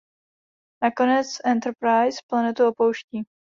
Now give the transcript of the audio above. Nakonec "Enterprise" planetu opouští.